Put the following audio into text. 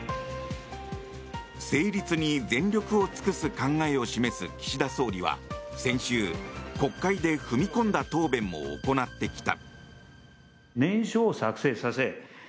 成立に全力を尽くす考えを示す岸田総理は先週、国会で踏み込んだ答弁も行ってきた。